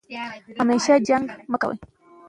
ماشومان اجازه لري چې په دې پارک کې منډې ووهي.